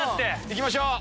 行きましょう！